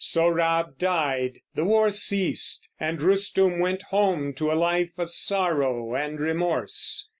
Sohrab died, the war ceased, and Rustum went home to a life of sorrow and remorse.